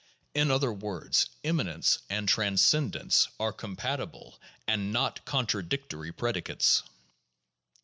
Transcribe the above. In other words, immanence and transcendence are compatible and not contradictory predicates.